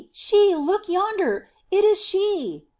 She! Look yonder! It is she!"